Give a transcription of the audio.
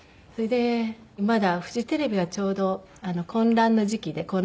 それでまだフジテレビがちょうど混乱の時期で。